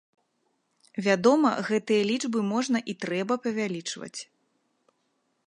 Вядома, гэтыя лічбы можна і трэба павялічваць.